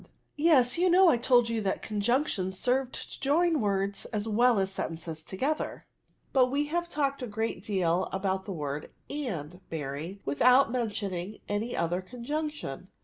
'*'* Yes, you know I told you that conjunc tions served to join words as well as sen« tences together. But we have talked a great deal about the word and, Mary, without mentioning any other conjunction.